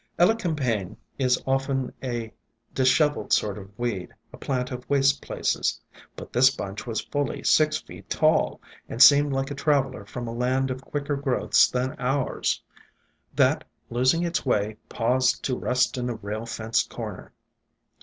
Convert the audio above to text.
Elecampane is often a disheveled sort of weed, a plant of waste places; but this bunch was fully six feet tall, and seemed like a traveller from a land of quicker growths than ours, that, losing its way, paused to rest in the rail fenced corner.